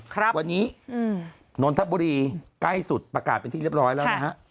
ครับวันนี้อืมนนทบุรีใกล้สุดประกาศเป็นที่เรียบร้อยแล้วนะฮะ